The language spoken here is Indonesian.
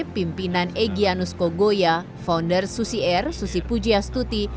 pimpinan egyanusko goya founder susi air susi pujia stuti